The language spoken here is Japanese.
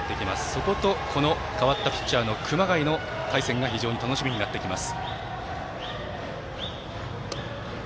そこと代わった熊谷の対戦が非常に楽しみになってきます。